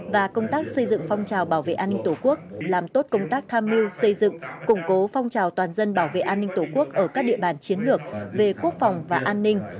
và công tác xây dựng phong trào bảo vệ an ninh tổ quốc làm tốt công tác tham mưu xây dựng củng cố phong trào toàn dân bảo vệ an ninh tổ quốc ở các địa bàn chiến lược về quốc phòng và an ninh